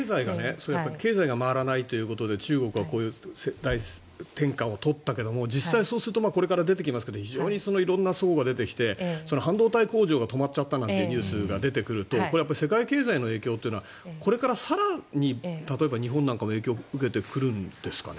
経済が回らないということで中国はこういう大転換を取ったけども実際、そうするとこれから出てきますけど非常に色んな齟齬が出てきて半導体工場が止まっちゃったなんてニュースが出てくるとこれは世界経済への影響はこれから更に例えば日本なんかも影響を受けてくるんですかね。